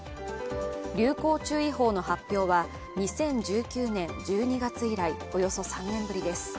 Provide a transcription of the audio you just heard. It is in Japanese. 流行注意報の発表は２０１９年１２月以来、およそ３年ぶりです。